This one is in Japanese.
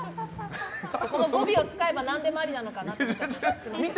この語尾を使えば何でもありかなって。